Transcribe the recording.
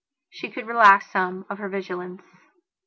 She could relax some of her vigilance.